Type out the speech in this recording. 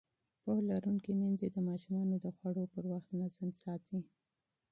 پوهه لرونکې میندې د ماشومانو د خوړو پر وخت نظم ساتي.